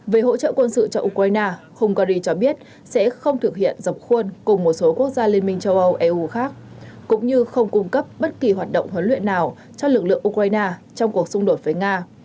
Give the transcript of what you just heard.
về hỗ trợ quân sự cho ukraine hungary cho biết sẽ không thực hiện dọc khuôn cùng một số quốc gia liên minh châu âu eu khác cũng như không cung cấp bất kỳ hoạt động huấn luyện nào cho lực lượng ukraine trong cuộc xung đột với nga